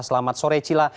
selamat sore cila